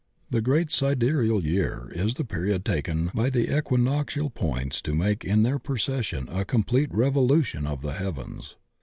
The great Sidereal year is the period taken by the equinoctial points to make in their procession a com plete revolution of the heavens.